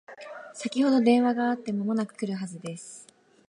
先ほど電話があって間もなく来るはずです